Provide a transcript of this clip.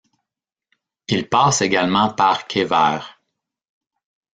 Il passe également par Quévert.